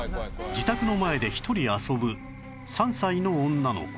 自宅の前で一人遊ぶ３歳の女の子